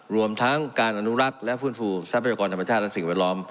รวมทั้งการอนุรัติและฟื้นฟูแสดงพยาบาลกรรมธรรมชาติและสิ่งอวัยร้อม